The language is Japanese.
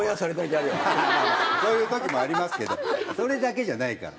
そういう時もありますけどそれだけじゃないから。